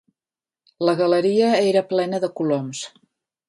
La galeria era plena de coloms.